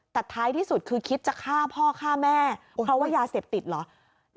แต่ท้ายที่สุดคือคิดจะฆ่าพ่อฆ่าแม่เพราะว่ายาเสพติดเหรอ